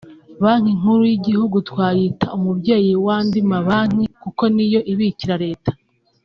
Banki Nkuru y’Igihugu twayita umubyeyi w’andi mabanki kuko niyo ibikira Leta